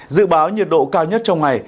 dự báo nhiệt độ cao nhất trong ngày